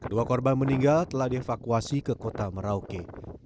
dua korban meninggal telah dievakuasi ke kota merauke